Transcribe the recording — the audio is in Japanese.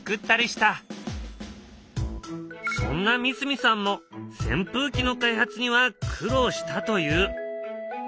そんな三角さんもせん風機の開発には苦労したと言う。